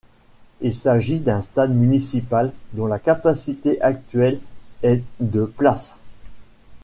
Il s'agit d'un stade municipal dont la capacité actuelle est de places.